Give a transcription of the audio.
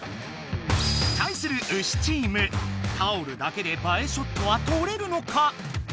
対するタオルだけで映えショットはとれるのか？